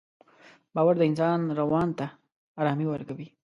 باور د انسان روان ته ارامي ورکوي.